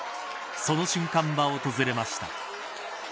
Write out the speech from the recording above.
その瞬間は訪れました。